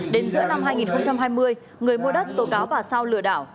đến giữa năm hai nghìn hai mươi người mua đất tố cáo bà sao lừa đảo